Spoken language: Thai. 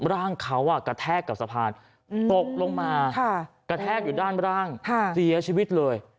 ร่างเขากระแทกกับสะพานตกลงมากระแทกอยู่ด้านล่างเสียชีวิตเลย